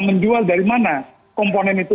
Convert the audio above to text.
menjual dari mana komponen itu